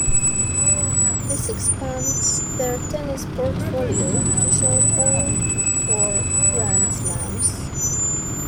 This expands their tennis portfolio to show all four Grand Slams.